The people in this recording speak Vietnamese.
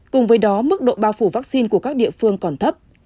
cùng với đó mức độ bao phủ vaccine của các địa phương còn thấp